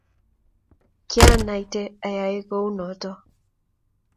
kianaite oyoe kou nito